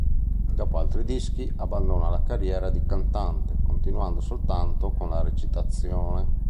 Dopo altri dischi abbandona la carriera di cantante, continuando soltanto con la recitazione.